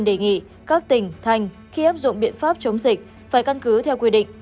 đề nghị các tỉnh thành khi áp dụng biện pháp chống dịch phải căn cứ theo quy định